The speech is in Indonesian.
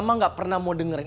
ada yang curi